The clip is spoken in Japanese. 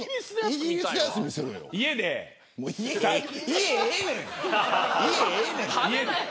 家ええねん。